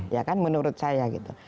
ya kan menurut saya gitu